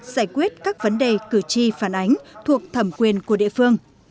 giải quyết các vấn đề cử tri phản ánh thuộc thẩm quyền của địa phương